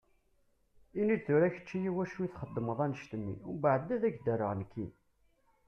Ini-d tura kečči iwacu i txedmeḍ annect-nni, umbaɛed ad ak-d-rreɣ nekki.